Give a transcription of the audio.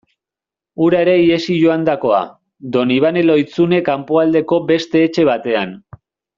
Hura ere ihesi joandakoa, Donibane Lohizune kanpoaldeko beste etxe batean...